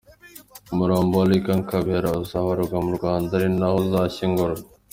Umurambo wa Lynker Kabera uzoherezwa mu Rwanda ari naho uzashyingurwa.